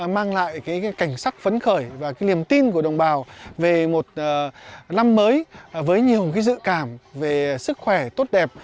mang lại cảnh sắc phấn khởi và niềm tin của đồng bào về một năm mới với nhiều dự cảm về sức khỏe tốt đẹp